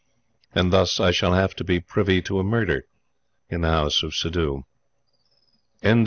And thus I shall have to be privy to a murder in the House of Suddhoo.